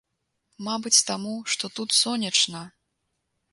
Мабыць таму, што тут сонечна.